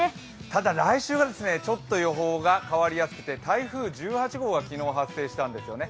ただ来週はちょっと予報が変わりやすくて台風１８号が昨日発生したんですよね。